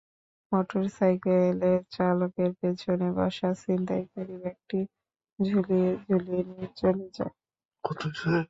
মোটরসাইকেলের চালকের পেছনে বসা ছিনতাইকারী ব্যাগটি ঝুলিয়ে ঝুলিয়ে নিয়ে চলে যায়।